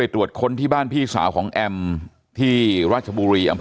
ตอนนี้ยังไม่ได้ใช้